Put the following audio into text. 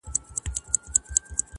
• ائینه زړونه درواغ وایي چي نه مرو،